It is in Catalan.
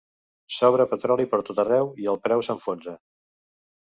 Sobra petroli pertot arreu i el preu s’enfonsa!